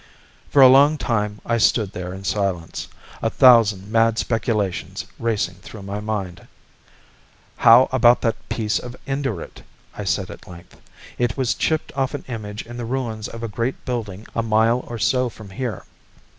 For a long time I stood there in silence, a thousand mad speculations racing through my mind. "How about that piece of Indurate?" I said at length. "It was chipped off an image in the ruins of a great building a mile or so from here."